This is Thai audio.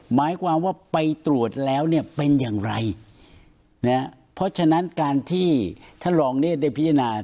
หมายความว่าไปตรวจแล้วเนี่ยเป็นอย่างไรนะเพราะฉะนั้นการที่ท่านรองเนธได้พิจารณา